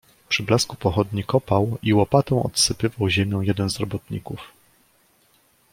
"Przy blasku pochodni kopał i łopatą odsypywał ziemią jeden z robotników."